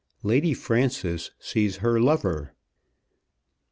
LADY FRANCES SEES HER LOVER.